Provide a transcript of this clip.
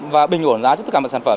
và bình ổn giá cho tất cả mọi sản phẩm